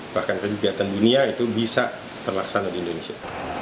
bahkan kegiatan dunia itu bisa terlaksana di indonesia